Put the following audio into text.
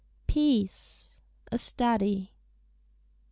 PEACE. A STUDY.